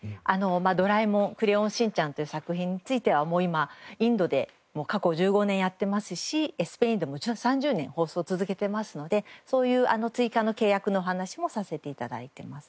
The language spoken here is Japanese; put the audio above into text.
『ドラえもん』『クレヨンしんちゃん』という作品についてはもう今インドで過去１５年やってますしスペインでも３０年放送を続けてますのでそういう追加の契約のお話もさせて頂いてます。